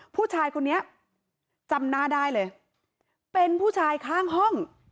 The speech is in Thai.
ผู้ชายคนนี้จำหน้าได้เลยเป็นผู้ชายข้างห้อง